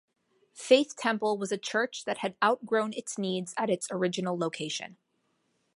Faith Temple was a church that had outgrown its needs at its original location.